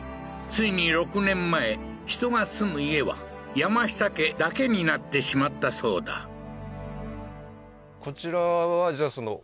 ついに６年前人が住む家は山下家だけになってしまったそうだあ